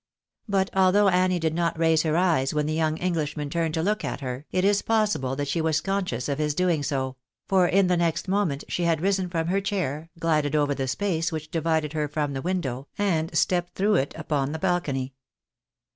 But although Annie did not raise her eyes when the young Englishman turned to look at her, it is possible that she was conscious of his doing so ; for in the next moment she had risen from her chair, glided over the space which divided her from the window, and stepped through it upon the balcony.